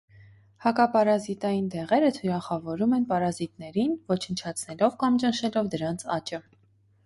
Հակապարազիտային դեղերը թիրախավորում են պարազիտներին՝ ոչնչացնելով կամ ճնշելով դրանց աճը։